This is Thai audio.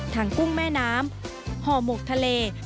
กุ้งแม่น้ำห่อหมกทะเล